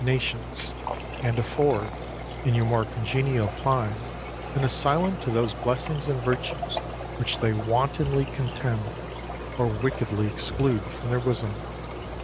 36 FOX nations, and afford, in your more coHgenial clime, an asylum to those blessings and virtues wh.'ch they wartonly contemn, or wickedly ex clude from their bosom!